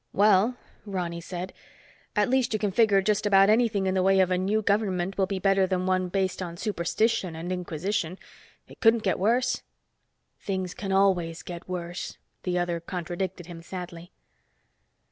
"Well," Ronny said, "at least you can figure just about anything in the way of a new government will be better than one based on superstition and inquisition. It couldn't get worse." "Things can always get worse," the other contradicted him sadly.